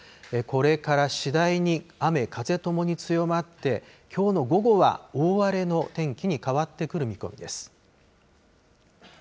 これから次第に雨、風ともに強まって、きょうの午後は大荒れの天気に変わってくる見込みです。